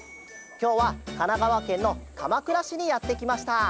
きょうはかながわけんのかまくらしにやってきました。